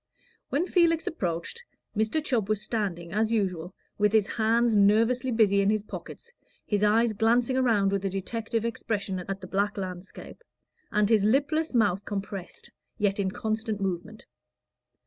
When Felix approached, Mr. Chubb was standing, as usual, with his hands nervously busy in his pockets, his eyes glancing around with a detective expression at the black landscape, and his lipless mouth compressed, yet in constant movement.